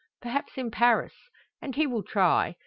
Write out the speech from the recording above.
Perhaps in Paris? And he will try.